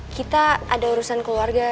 kita ada urusan keluarga